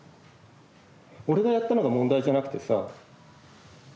俺がやったのが問題じゃなくてさ